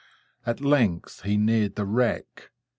At length he neared the wreck.